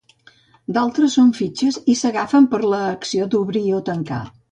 D'altres són fixes i s'agafen per fer l'acció d'obrir o tancar.